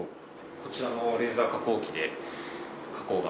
こちらのレーザー加工機で加工が可能ですね。